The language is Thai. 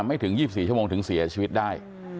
ไม่ถึง๒๔ชั่วโมงถึงเสียชีวิตได้